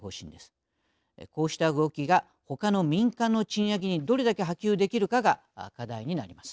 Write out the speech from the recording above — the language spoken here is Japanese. こうした動きがほかの民間の賃上げにどれだけ波及できるかが課題になります。